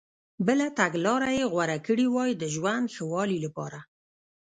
بله تګلارې یې غوره کړي وای د ژوند ښه والي لپاره.